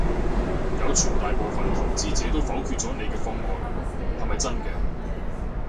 有傳大部份投資者都否決咗你嘅方案，係咪真嘅？